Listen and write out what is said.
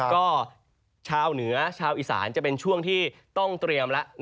ก็ชาวเหนือชาวอีสานจะเป็นช่วงที่ต้องเตรียมแล้ว